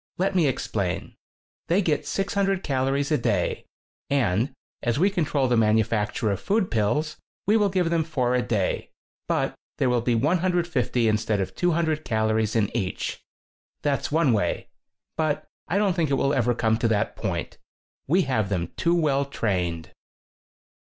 Let me explain. They get 600 calories a day, and as we control the manufacture of food pills, we will give them four a day, but there will be 150 instead of 200 calories in each. That's one way. But I don't think it will ever come to that point. We have them too well trained."